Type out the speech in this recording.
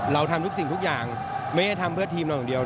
เราทำทุกสิ่งทุกอย่างไม่ได้ทำเพื่อทีมเราอย่างเดียว